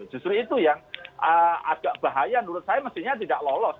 justru itu yang agak bahaya menurut saya mestinya tidak lolos